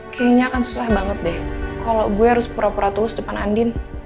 kayaknya akan susah banget deh kalau gue harus pura pura terus depan andin